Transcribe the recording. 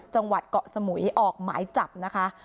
จังหวัดเกาะสมุยออกหมายจับนะคะ